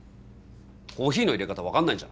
コーヒーのいれ方分かんないんじゃない？